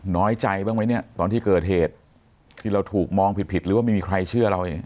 น้อยใจบ้างไหมเนี่ยตอนที่เกิดเหตุที่เราถูกมองผิดผิดหรือว่าไม่มีใครเชื่อเรา